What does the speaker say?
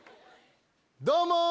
どうも！